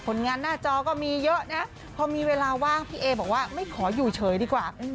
งานหน้าจอก็มีเยอะนะพอมีเวลาว่างพี่เอบอกว่าไม่ขออยู่เฉยดีกว่า